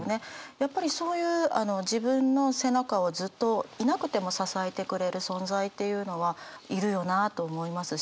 やっぱりそういう自分の背中をずっといなくても支えてくれる存在っていうのはいるよなと思いますし。